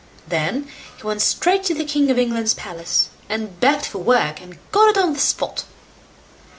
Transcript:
Then he went straight to the king of England's palace, and begged for work, and got it on the spot.